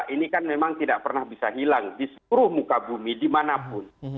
ini kan memang tidak pernah bisa hilang di seluruh muka bumi dimanapun